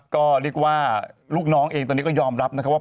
ก็เรียกว่าลูกน้องเองตอนนี้ก็ยอมรับนะครับว่า